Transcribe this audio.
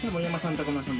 高山さん